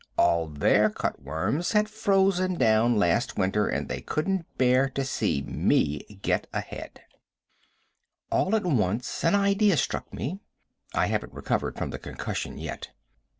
All their cut worms had frozen down last winter, and they couldn't bear to see me get ahead. [Illustration: THEY SPOKE JEERINGLY.] All at once, an idea struck me. I haven't recovered from the concussion yet.